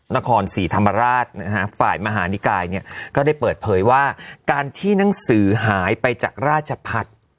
นครศรีธรรมราชนะฮะฝ่ายมหานิกายเนี่ยก็ได้เปิดเผยว่าการที่หนังสือหายไปจากราชพัฒน์